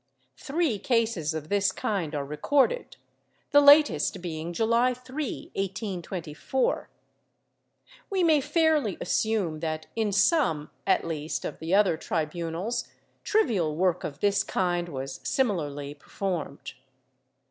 Three cases of this kind are recorded, the latest being July 3, 1824.^ We may fairly assume that in some, at least, of the other tribunals, trivial work of this kind was similarly performed.